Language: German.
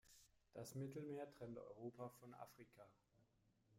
Das Mittelmeer trennt Europa von Afrika.